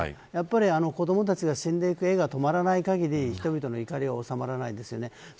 やっぱり子どもたちが死んでいく画が止まらない限り人々の怒りは収まらないですよね。